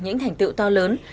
những thành tựu to lớn